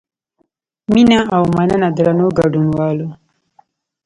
مینه او مننه درنو ګډونوالو.